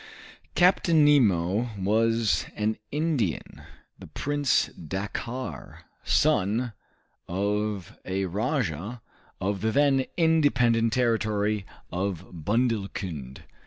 Captain Nemo was an Indian, the Prince Dakkar, son of a rajah of the then independent territory of Bundelkund.